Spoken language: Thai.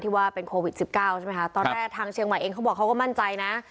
ว่าเป็นโควิด๑๙ใช่ไหมคะตอนแรกทางเชียงใหม่เองเขาบอกเขาก็มั่นใจนะ